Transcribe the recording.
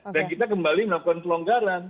dan kita kembali melakukan pelonggaran